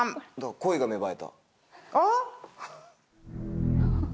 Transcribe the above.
恋が芽生え。